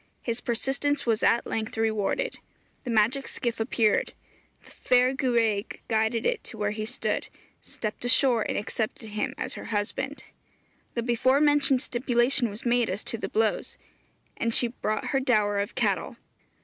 His persistence was at length rewarded. The magic skiff appeared; the fair gwraig guided it to where he stood; stepped ashore, and accepted him as her husband. The before mentioned stipulation was made as to the blows; and she brought her dower of cattle.